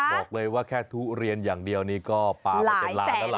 บอกว่าแค่ทุเรียนอย่างเดียวนี่ก็ปลามาเป็นล้านแล้วล่ะ